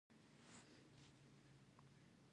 ازادي راډیو د مالي پالیسي په اړه د نوښتونو خبر ورکړی.